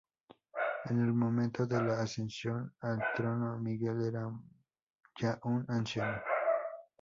En el momento de su ascensión al trono, Miguel era ya un anciano.